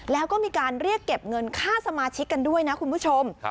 แล้วก็มีการเรียกเก็บเงินค่าสมาชิกกันด้วยนะคุณผู้ชม